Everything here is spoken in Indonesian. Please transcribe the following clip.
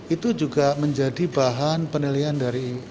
itu juga menjadi bahan penilaian dari